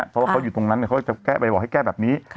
เพราะว่าเขาอยู่ตรงนั้นเขาจะแก้ไปบอกให้แก้แบบนี้